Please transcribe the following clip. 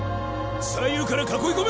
左右から囲い込め！